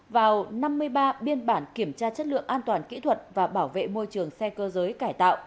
vào năm mươi ba biên bản kiểm tra chất lượng an toàn kỹ thuật và bảo vệ môi trường xe cơ giới cải tạo